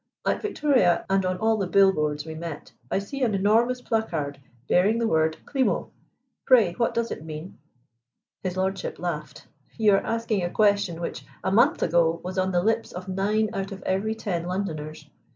"At Victoria and on all the bill boards we met I see an enormous placard, bearing the word 'Klimo.' Pray, what does it mean?" His lordship laughed. "You are asking a question which, a month ago, was on the lips of nine out of every ten Londoners.